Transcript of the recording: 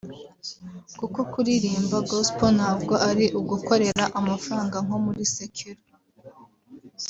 kuko kuririmba Gospel ntabwo ari ugukorera amafaranga nko muri secular